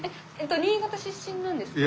新潟出身なんですか？